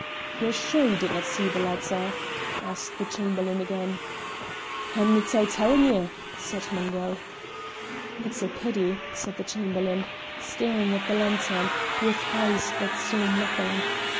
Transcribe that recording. "You're sure ye didnae see the letter?" asked the Chamberlain again. "Amn't I tellin' ye?" said Mungo. "It's a pity," said the Chamberlain, staring at the lantern, with eyes that saw nothing.